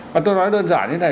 mà tôi nói đơn giản như thế này